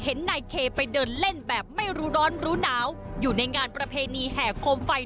เห็นนายเคไปเดินเล่นแบบไม่รู้ร้อนรู้หนาวอยู่ในงานประเพณีแห่โคมไฟ